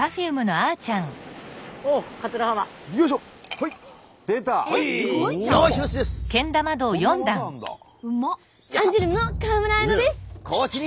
アンジュルムの川村文乃です！